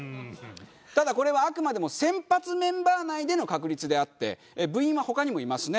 ただこれはあくまでも先発メンバー内での確率であって部員は他にもいますね。